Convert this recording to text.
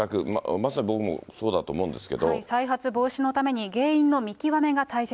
まさに僕もそうだと再発防止のために原因の見極めが大切。